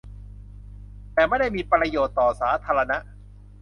แต่ไม่ได้มีประโยชน์ต่อสาธารณะ